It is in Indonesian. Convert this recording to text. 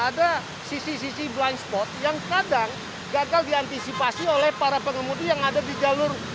ada sisi sisi blind spot yang kadang gagal diantisipasi oleh para pengemudi yang ada di jalur